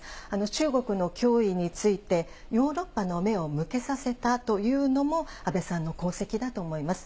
中国の脅威について、ヨーロッパの目を向けさせたというのも、安倍さんの功績だと思います。